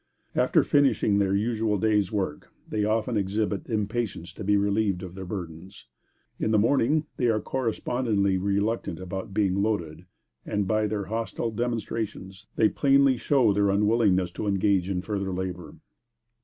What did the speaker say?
After finishing their usual day's work, they often exhibit impatience to be relieved of their burdens. In the morning they are correspondingly reluctant about being loaded, and by their hostile demonstrations, they plainly show their unwillingness to engage in further labor.